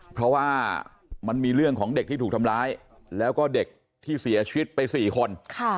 เพราะว่ามันมีเรื่องของเด็กที่ถูกทำร้ายแล้วก็เด็กที่เสียชีวิตไป๔คน